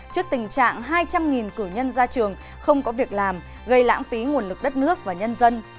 trước tình trạng hai trăm linh cử nhân ra trường không có việc làm gây lãng phí nguồn lực đất nước và nhân dân